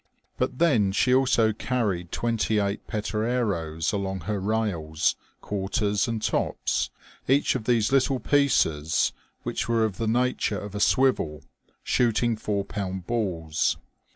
But then she also carried twenty eight petereroes along her rails, quarters, and tops, each of these little pieces, which were of the nature of a swivel, shooting four pound balls.